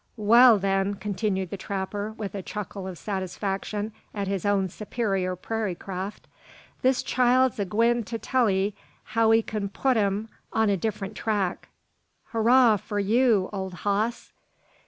"Wal, then," continued the trapper, with a chuckle of satisfaction at his own superior prairie craft, "this child's a gwyne to tell 'ee how 'ee kin put them on a different track." "Hooraw for you, old hoss!"